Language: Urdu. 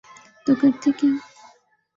تو کرتے کیا۔